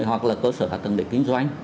hoặc là cơ sở hạ tầng để kinh doanh